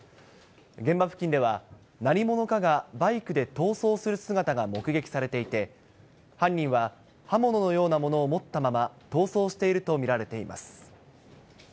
現場付近では、何者かがバイクで逃走する姿が目撃されていて、犯人は刃物のようなものを持ったまま逃走していると見られています。